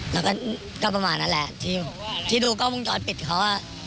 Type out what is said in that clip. แล้วก็ก็ประมาณนั้นแหละที่ดูกล้องวงจรปิดเขา